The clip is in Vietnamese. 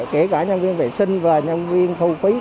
kể cả nhân viên vệ sinh và nhân viên thu phí